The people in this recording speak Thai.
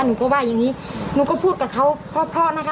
หนูก็ว่าอย่างนี้หนูก็พูดกับเขาเพราะนะคะ